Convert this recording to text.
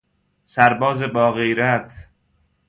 سرباز باغیرت